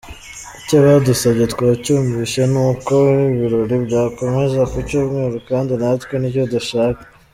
Icyo badusabye twacyumvise ni uko ibirori byakomeza ku Cyumweru kandi natwe nicyo dushaka.